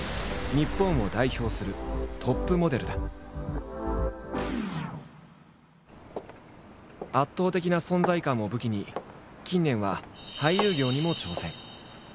１０代のころから圧倒的な存在感を武器に近年は俳優業にも挑戦。